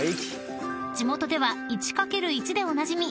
［地元では「いちかけるいち」でおなじみ